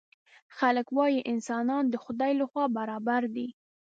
خلک وايي انسانان د خدای له خوا برابر دي.